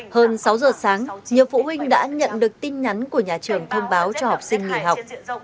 hơn sáu giờ sáng nhiều phụ huynh đã nhận được tin nhắn của nhà trường thông báo cho học sinh nghỉ học